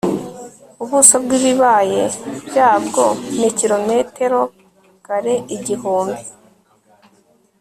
ubuso bwibibaya byabwo ni kilometero kare igihumbi